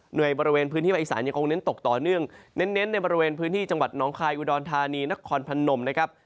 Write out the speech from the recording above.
โดยบริเวณพื้นที่ภาคอีสานยังคงเน้นตกต่อเนื่องเน้นในบริเวณพื้นที่จังหวัดน้องคายอุดรธานีนครพนมนะครับ